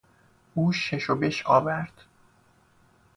او شش و بش آورد.